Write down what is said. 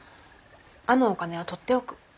あのお金は取っておく。